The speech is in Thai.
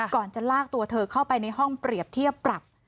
จะลากตัวเธอเข้าไปในห้องเปรียบเทียบปรับ